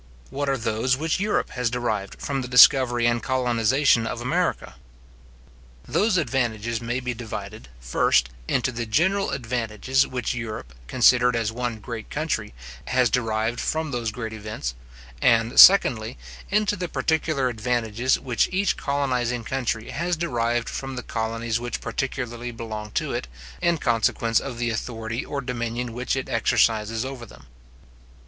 What are those which Europe has derived from the discovery and colonization of America? Those advantages may be divided, first, into the general advantages which Europe, considered as one great country, has derived from those great events; and, secondly, into the particular advantages which each colonizing country has derived from the colonies which particularly belong to it, in consequence of the authority or dominion which it exercises over them.